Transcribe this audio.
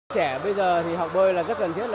trẻ bây giờ thì học bơi là rất cần thiết